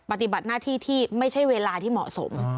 ปฏิบัติหน้าที่ที่ไม่ใช่เวลาที่เหมาะสม